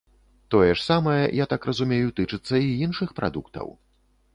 Тое ж самае, я так разумею, тычыцца і іншых прадуктаў?